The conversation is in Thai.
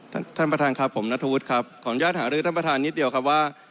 ท่านประธานครับผมนัทธวุฒิครับขออนุญาตหารือท่านประธานนิดเดียวครับว่า